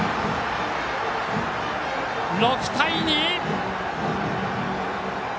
６対２！